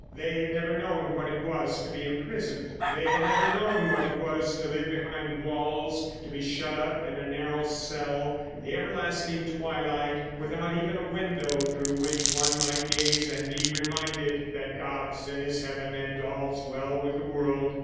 They had never known what it was to be imprisoned. They had never known what it was to live behind walls, to be shut up in a narrow cell in the everlasting twilight, without even a window through which one might gaze and be reminded that God's in His heaven, all's well with the world.